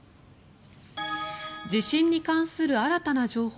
地震に関する新たな情報